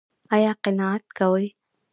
ایا قناعت کوئ؟